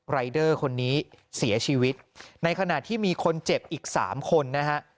รายเดอร์คนนี้เสียชีวิตในขณะที่มีคนเจ็บอีกสามคนนะฮะ